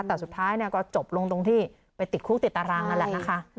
แต่สุดท้ายก็จบลงตรงที่ไปติดคุกติดตารางนั่นแหละนะคะ